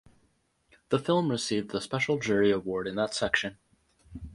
The film received the Special Jury Award in that section.